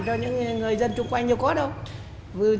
cho những người dân trung quanh như có đâu